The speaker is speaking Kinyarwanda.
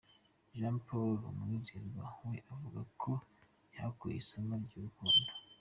Jean Paul Umwizerwa we avuga ko yahakuye isomo ry’urukundo.